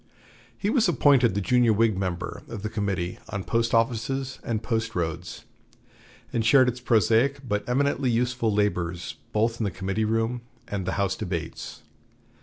He was appointed the junior Whig member of the Committee on Post offices and Post roads, and shared its prosaic but eminently useful labors both in the committee room and the House debates.